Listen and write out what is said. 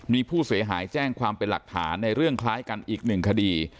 มีผู้เสียหายแจ้งความเป็นหลักฐานในเรื่องคล้ายกันอีกหนึ่งคดี